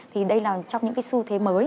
thì đây là trong những cái xu thế mới